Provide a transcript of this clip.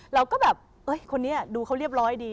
เราก็แบบคนนี้ดูเขาเรียบร้อยดี